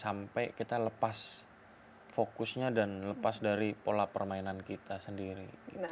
sampai kita lepas fokusnya dan lepas dari pola permainan kita sendiri